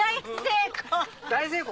大成功！